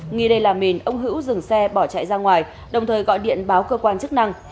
nghi đây là mình ông hữu dừng xe bỏ chạy ra ngoài đồng thời gọi điện báo cơ quan chức năng